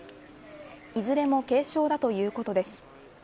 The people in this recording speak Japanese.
いずれも軽症だということです。